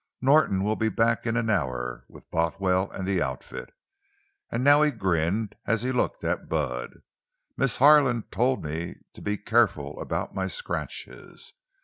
"Norton will be back in an hour, with Bothwell and the outfit." And now he grinned as he looked at Bud. "Miss Harlan told me to be careful about my scratches.